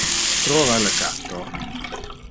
Trova le catto.